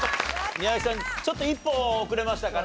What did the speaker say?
宮崎さんちょっと一歩遅れましたかね？